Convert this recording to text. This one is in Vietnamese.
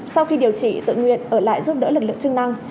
sau khi điều trị tự nguyện ở lại giúp đỡ lực lượng chức năng